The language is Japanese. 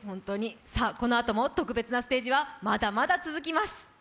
このあとも特別なステージはまだまだ続きます。